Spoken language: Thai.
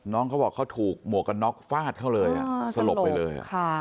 น้องเขาบอกเขาถูกหมวกกันน็อกฟาดเขาเลยสลบไปเลย